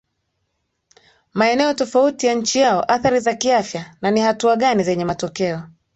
maeneo tofauti ya nchi yao athari za kiafya na ni hatua gani zenye matokeo